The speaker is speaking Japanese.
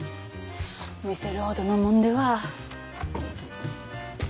見せるほどのもんでは。